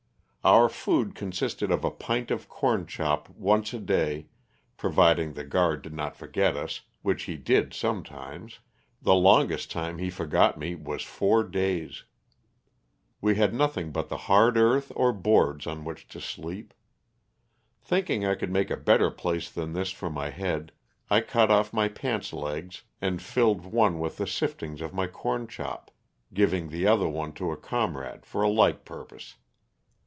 Our food consisted of a pint of corn chop once a day, providing the guard did not forget us, which he did sometimes. The longest time he forgot me was four days. We had nothing but the hard earth or boards on which to sleep. Thinking I could make a better place than this for my head, I cut off my pants legs and filled one with the sif tings of my corn chop, giving the other one to a comrade for a like purpose.